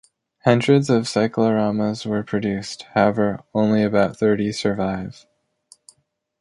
Hundreds of cycloramas were produced; however, only about thirty survive.